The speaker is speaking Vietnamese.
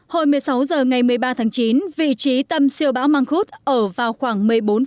hồi một mươi sáu giờ ngày một mươi ba tháng chín vị trí tâm siêu bão măng khuốt ở vào khoảng